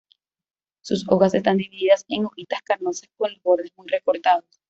Sus hojas están divididas en hojitas carnosas con los bordes muy recortados.